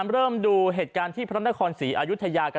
เริ่มดูเหตุการณ์ที่พระนครศรีอายุทยากัน